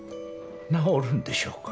治るんでしょうか？